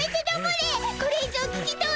これ以上聞きとうない！